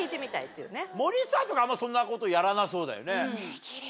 森さんとかあんまそんなことやらなそうだよね。